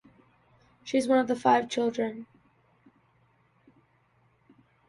She is one of five children.